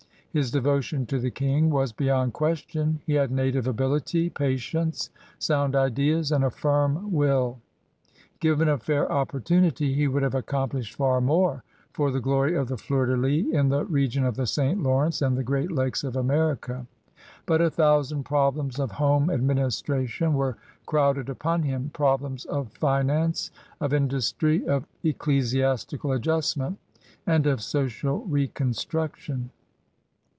His devotion to the King was beyond question; he had native ability, patience, sound ideas, and a firm will. Given a fair opportunity, he would have accomplished far more for the glory of the fleur de lis in the region of the St. Lawrence and the Great Lakes of America. But a thousand problems of home administration were crowded upon him, problems of finance, of industry, of ecclesiastical adjustment, and of social reconstruction.